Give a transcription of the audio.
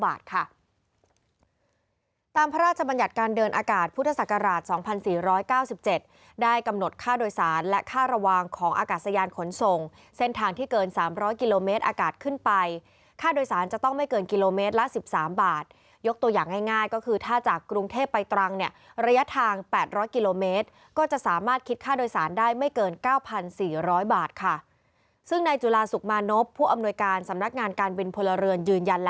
๖๙บาทค่ะตามพระราชบัญญัติการเดินอากาศพุทธศักราช๒๔๙๗ได้กำหนดค่าโดยสารและค่าระวางของอากาศยานขนส่งเส้นทางที่เกิน๓๐๐กิโลเมตรอากาศขึ้นไปค่าโดยสารจะต้องไม่เกินกิโลเมตรละ๑๓บาทยกตัวอย่างง่ายก็คือถ้าจากกรุงเทพไปตรังเนี่ยระยะทาง๘๐๐กิโลเมตรก็จะสามารถคิดค่าโดยสารได้ไม่เ